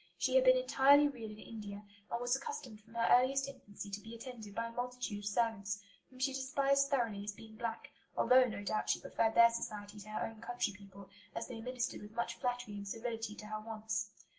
She had been entirely reared in India, and was accustomed from her earliest infancy to be attended by a multitude of servants, whom she despised thoroughly as being black, although, no doubt, she preferred their society to her own country people, as they ministered with much flattery and servility to her wants.